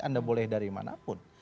anda boleh dari mana pun